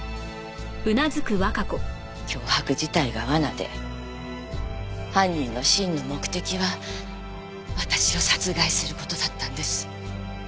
脅迫自体が罠で犯人の真の目的は私を殺害する事だったんです。